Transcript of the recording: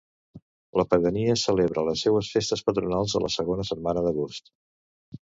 La pedania celebra les seues festes patronals a la segona setmana d'agost.